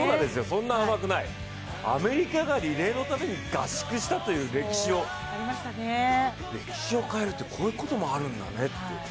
そんな甘くないアメリカがリレーのために合宿したという歴史を変えるって、こういうこともあるんだねって。